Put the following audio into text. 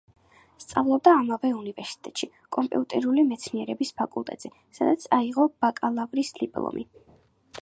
სწავლობდა ამავე უნივერსიტეტში, კომპიუტერული მეცნიერების ფაკულტეტზე, სადაც აიღო ბაკალავრის დიპლომი.